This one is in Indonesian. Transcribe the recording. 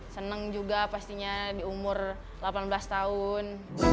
senang juga pastinya di umur delapan belas tahun